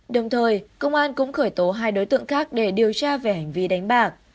đồng thời công an cũng khởi tố hai đối tượng khác để điều tra về hành vi đánh bạc